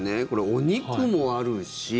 お肉もあるし。